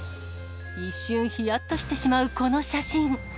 一瞬、ひやっとしてしまうこの写真。